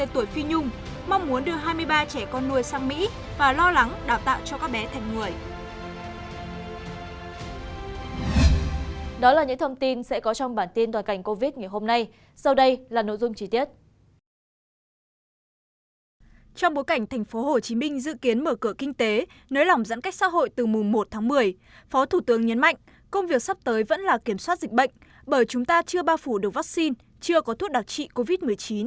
trong bối cảnh tp hcm dự kiến mở cửa kinh tế nới lỏng giãn cách xã hội từ mùa một tháng một mươi phó thủ tướng nhấn mạnh công việc sắp tới vẫn là kiểm soát dịch bệnh bởi chúng ta chưa bao phủ được vaccine chưa có thuốc đặc trị covid một mươi chín